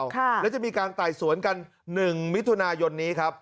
แล้วจะมีการไต่สวนกัน๑มิถุนายนนี้ครับ